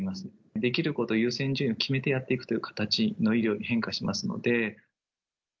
できることを、優先順位を決めてやっていくという形の医療に変化しますので。